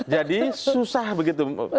jadi susah begitu